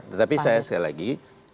tetapi saya sekali lagi